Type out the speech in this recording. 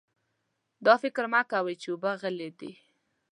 دا فکر مه کوه چې اوبه غلې دي.